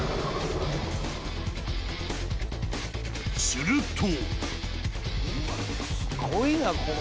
［すると］